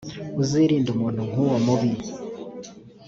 uzirinde umuntu nk’uwo mubi.